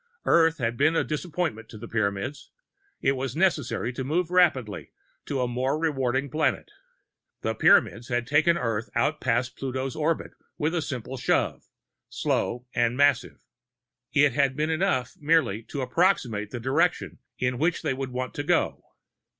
Earth had been a disappointment to the Pyramids; it was necessary to move rapidly to a more rewarding planet. The Pyramids had taken Earth out past Pluto's orbit with a simple shove, slow and massive. It had been enough merely to approximate the direction in which they would want to go.